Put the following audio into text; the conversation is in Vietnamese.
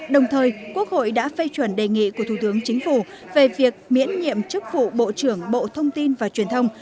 đồng thời quốc hội đã phê chuẩn đề nghị của thủ tướng chính phủ về việc miễn nhiệm chức vụ bộ trưởng bộ thông tin và truyền thông